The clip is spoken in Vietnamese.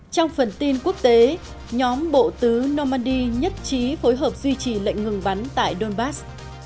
trong phần tin quốc tế nhóm bộ tứ normandy nhất trí phối hợp duy trì lệnh ngừng bắn tại donbass